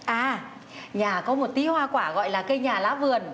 à nhà có một tí hoa quả gọi là cây nhà lá vườn